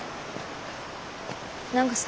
何かさ。